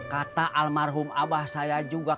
kata almarhum abah saya juga